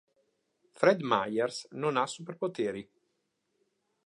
Fred Myers non ha superpoteri.